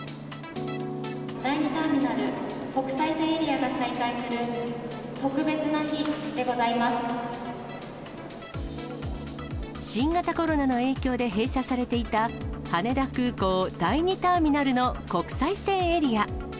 第２ターミナル国際線エリア新型コロナの影響で閉鎖されていた、羽田空港第２ターミナルの国際線エリア。